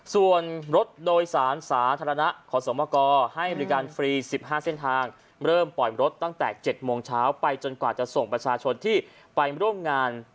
ส่วนรถโดยสารสาธารณะขสมกให้บริการฟรี๑๕เส้นทาง